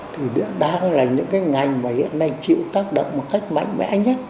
thì đang là những cái ngành mà hiện nay chịu tác động một cách mạnh mẽ nhất